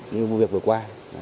như vụ việc vừa qua